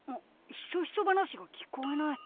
ひそひそ話が聞こえない。